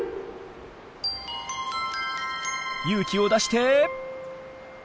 勇気を出してえい！